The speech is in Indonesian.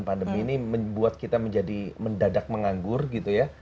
pandemi ini membuat kita menjadi mendadak menganggur gitu ya